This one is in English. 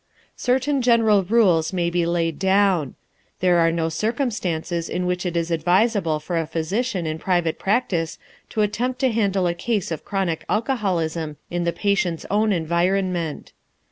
Certain general rules may be laid down. There are no circumstances in which it is advisable for a physician in private practice to attempt to handle a case of chronic alcoholism in the patient's own environment.